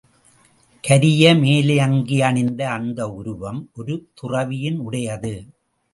கரிய மேலங்கியணிந்த அந்த உருவம் ஒரு துறவியினுடையது.